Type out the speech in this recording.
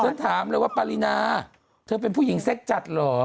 ฉันถามเลยว่าปรินาเธอเป็นผู้หญิงเซ็กจัดเหรอ